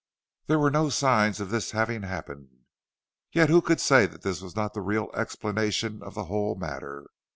There were no signs of this having happened. Yet who could say that this was not the real explanation of the whole matter?